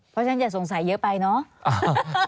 เพราะฉะนั้นอย่าสงสัยเยอะไปเนาะ